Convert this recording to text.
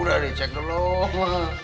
udah dicek gelom